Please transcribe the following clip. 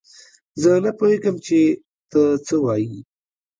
زه نه پوهېږم چې تۀ څۀ وايي.